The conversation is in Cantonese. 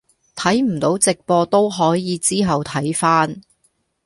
睇唔到直播都可以之後睇返。